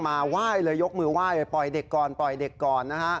มาไหว้เลยยกมือไหว้ปล่อยเด็กก่อนปล่อยเด็กก่อนนะฮะ